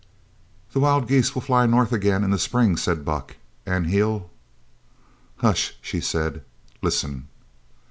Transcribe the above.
"The wild geese fly north again in spring," said Buck, "and he'll " "Hush!" she said. "Listen!"